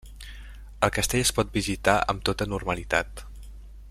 El castell es pot visitar amb tota normalitat.